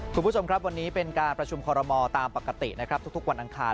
คุณผู้ชมครับวันนี้เป็นการประชุมคอรมอตามปกตินะครับทุกวันอังคาร